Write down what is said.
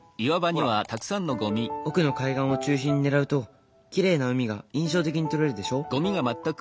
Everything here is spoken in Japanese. ほら奥の海岸を中心に狙うときれいな海が印象的に撮れるでしょ。